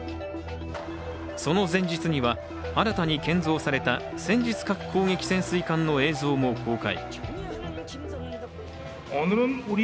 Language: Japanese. その前日には新たに建造された戦術核攻撃潜水艦の映像も公開。